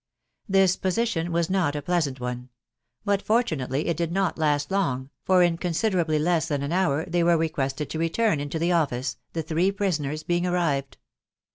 This position was not a pleasant one ; but fortunately it did not last long, for in con siderably less than an hour they were requested to return into ' the office, the three prisoners being arrived.